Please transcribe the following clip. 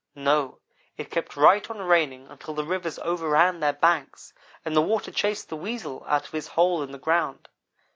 No, it kept right on raining until the rivers overran their banks, and the water chased the Weasel out of his hole in the ground.